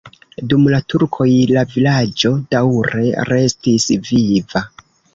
Dum la turkoj la vilaĝo daŭre restis viva.